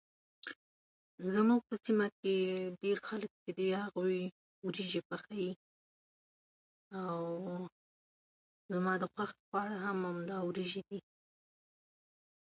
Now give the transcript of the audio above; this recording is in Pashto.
زمونږ په سيمه کي ډير خلک دي هغوی وریجې پخوي او زما د خوښي خواړه هم همدا وريجي دي